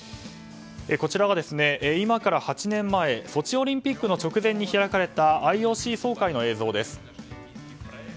こちらが、今から８年前ソチオリンピックの直前に開かれたＩＯＣ総会の映像です。